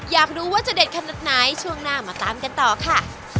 อยากรู้ว่าจะเด็ดขนาดไหนช่วงหน้ามาตามกันต่อค่ะ